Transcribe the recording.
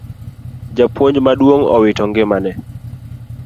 Japuonj maduong' owito ngimane